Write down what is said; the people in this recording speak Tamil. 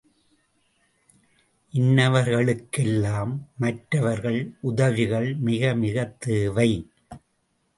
இன்னவர்களுக் கெல்லாம் மற்றவர் உதவிகள் மிகமிகத் தேவை.